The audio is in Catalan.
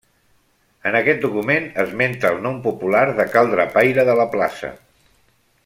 En aquest document esmenta el nom popular de Cal Drapaire de la Plaça.